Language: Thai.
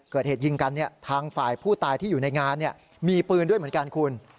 เกิดเหตุยิงกันทางฝ่ายผู้ตายที่อยู่ในงานมีปืนด้วยเหมือนกันคุณ